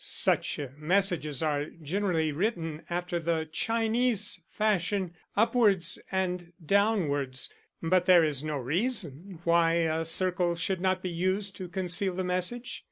Such messages are generally written after the Chinese fashion upwards and downwards but there is no reason why a circle should not be used to conceal the message.